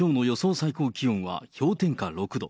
最高気温は氷点下６度。